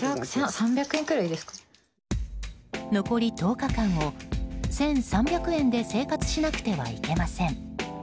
残り１０日間を１３００円で生活しなくてはいけません。